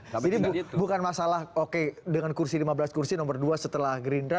jadi bukan masalah oke dengan kursi lima belas kursi nomor dua setelah gerindra